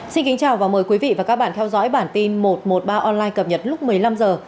xin kính chào và mời quý vị và các bạn theo dõi bản tin một trăm một mươi ba online cập nhật lúc một mươi năm h